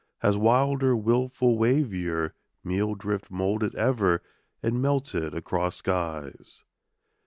has wilder, wilful wavier Meal drift moulded ever and melted across skies?